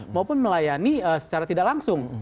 maupun melayani secara tidak langsung